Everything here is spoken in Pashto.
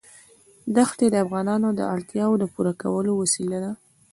دښتې د افغانانو د اړتیاوو د پوره کولو وسیله ده.